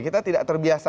kita tidak terbiasa